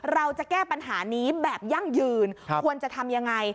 เราจะแก้ปัญหานี้แบบยั่งยืนควรจะทำยังไง